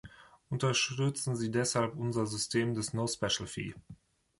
Unterstützen Sie deshalb unser System des no special fee.